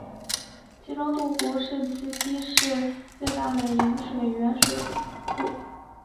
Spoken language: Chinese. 其中里杜湖是慈溪市最大的饮用水源水库。